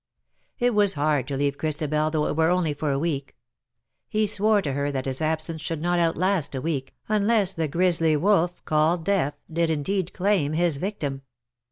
It was hard to leave Christabel, though it were only for a week. He swore to her that his absence should not outlast a week^ unless the grisly wolf called Death did indeed claim his victim.